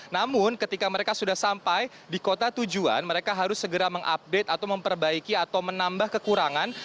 namun ketika mereka sudah sampai di kota tujuan mereka harus segera mengupdate atau memperbaiki atau menambah kekurangan